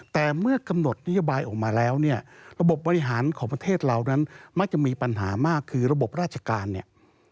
แต่เมื่อกำหนดนโยบายออกมาแล้วเนี่ยระบบบบริหารของประเทศเรานั้นมักจะมีปัญหามากคือระบบราชการเนี่ย